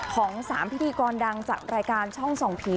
ของ๓พิธีกรดังจากรายการช่องส่องผี